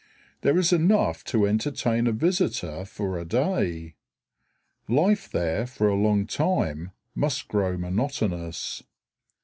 There is enough to entertain a visitor for a day. Life there for a long time must grow monotonous.